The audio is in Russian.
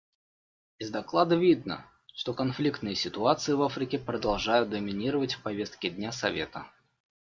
Из доклада видно, что конфликтные ситуации в Африке продолжают доминировать в повестке дня Совета.